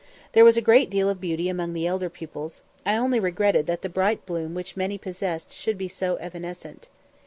There was a great deal of beauty among the elder pupils; I only regretted that the bright bloom which many possessed should be so evanescent.